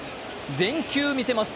全球見せます。